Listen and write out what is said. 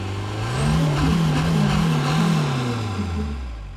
احرام د حج او عمرې پر مهال تړل کېږي.